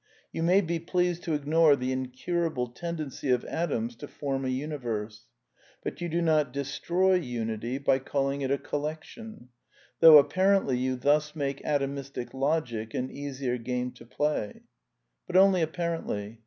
You may be pleased to ignore the incurable tendency of atoms to form a universe; but you do not destroy unity by caUing/ it a collection ; though apparently you thus make Atomisticr Logic an easier game to play. ^ But only apparently.